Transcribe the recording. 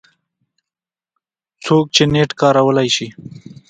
څوک چې نېټ کارولی شي